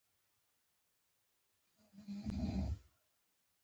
لوبه د ویکټونو، رنونو او اورونو پر بنسټ روانه ده.